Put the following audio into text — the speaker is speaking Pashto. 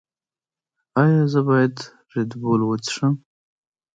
ایا زه باید ردبول وڅښم؟